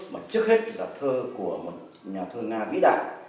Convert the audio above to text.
mà trước hết là thơ của một nhà thơ nga vĩ đại